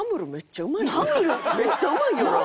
めっちゃうまいよな？